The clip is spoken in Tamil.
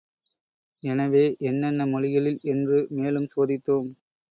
எனவே என்னென்ன மொழிகளில் என்று மேலும் சோதித்தோம்.